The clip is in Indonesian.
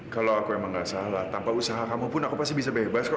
kalau aku emang gak salah tanpa usaha kamu pun aku pasti bisa bebas kok